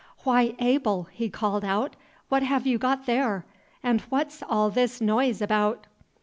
"Why, Abel!" he called out, "what have you got there? and what 's all this noise about?"